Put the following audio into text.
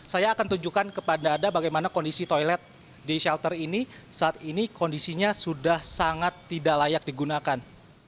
saya akan tunjukkan kepada anda bagaimana kondisi toilet di shelter ini saat ini kondisinya sudah sangat tidak layak digunakan